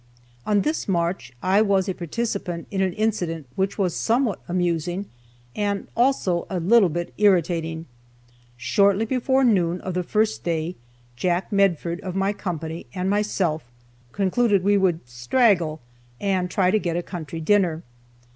On this march I was a participant in an incident which was somewhat amusing, and also a little bit irritating. Shortly before noon of the first day, Jack Medford, of my company, and myself, concluded we would "straggle," and try to get a country dinner.